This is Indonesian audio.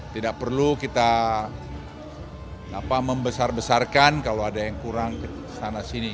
tidak perlu kita membesar besarkan kalau ada yang kurang ke sana sini